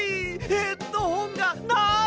ヘッドホンがない！